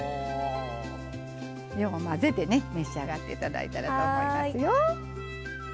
よう混ぜて召し上がっていただけたらと思います。